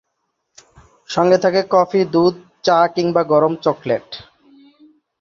সংগে থাকে কফি, দুধ, চা কিংবা গরম চকলেট।